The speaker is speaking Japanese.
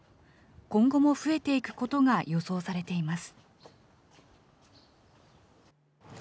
今後も増えていくことが予想されています。